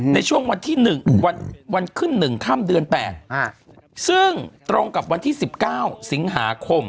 ในช่วงวันที่๑วันขึ้น๑ค่ำเดือน๘ซึ่งตรงกับวันที่๑๙สิงหาคม